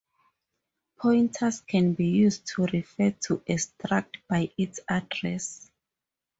Pointers can be used to refer to a struct by its address.